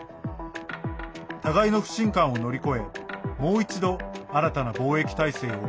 互いの不信感を乗り越えもう一度、新たな貿易体制を